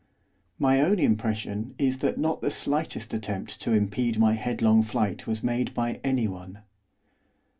My own impression is that not the slightest attempt to impede my headlong flight was made by anyone.